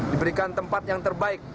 diberikan tempat yang terbaik